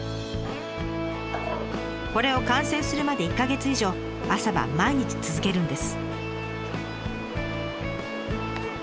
これを完成するまで１か月以上朝晩毎日続けるんです。